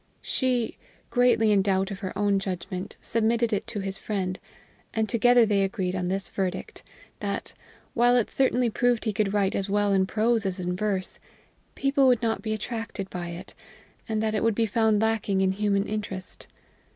She, greatly in doubt of her own judgment, submitted it to his friend; and together they agreed on this verdict: That, while it certainly proved he could write as well in prose as in verse, people would not be attracted by it, and that it would be found lacking in human interest.